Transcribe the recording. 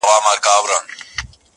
چي غزل وي چا لیکلی بې الهامه,